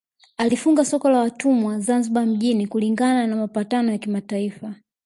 Alifunga soko la watumwa Zanzibar mjini kulingana na mapatano ya kimataifa